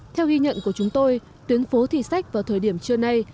theo ghi nhận của chúng tôi tuyến phố thì sách vào thời điểm trưa nay